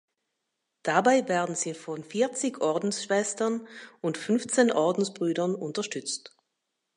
Dabei werden sie von vierzig Ordensschwestern und fünfzehn Ordensbrüdern unterstützt.